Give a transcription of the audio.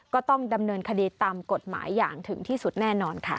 ก็ต้องดำเนินคดีตามกฎหมายอย่างถึงที่สุดแน่นอนค่ะ